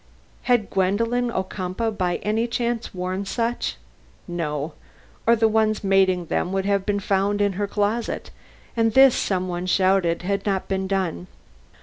Had Gwendolen Ocumpaugh by any chance worn such? No or the ones mating them would have been found in her closet, and this, some one shouted out, had not been done.